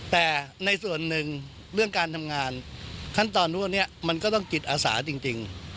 แต่ในส่วนหนึ่งเรื่องการทำงานขั้นตอนพวกนี้มันก็ต้องจิตอาสาจริง